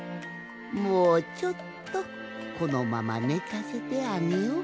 もうちょっとこのままねかせてあげようかの。